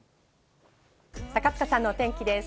高塚さんのお天気です。